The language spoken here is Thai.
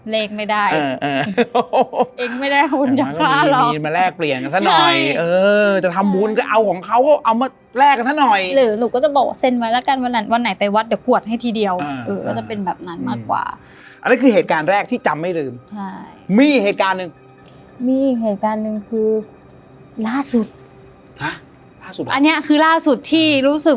เล็กไม่ได้เอ้อเอ้อเอ้อเอ้อเอ้อเอ้อเอ้อเอ้อเอ้อเอ้อเอ้อเอ้อเอ้อเอ้อเอ้อเอ้อเอ้อเอ้อเอ้อเอ้อเอ้อเอ้อเอ้อเอ้อเอ้อเอ้อเอ้อเอ้อเอ้อเอ้อเอ้อเอ้อเอ้อเอ้อเอ้อเอ้อเอ้อเอ้อเอ้อเอ้อเอ้อเอ้อเอ้อเอ้อเอ้อเอ้อเอ้อเอ้อเอ้อเอ้อเอ้อเอ้อเอ้อเอ